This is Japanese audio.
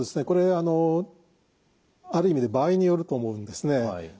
これある意味で場合によると思うんですね。